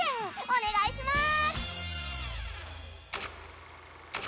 お願いします！